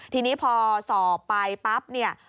ทีนี้พอสอบไปปั๊บเนี่ย